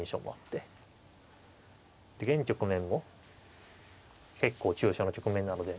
で現局面も結構急所の局面なので。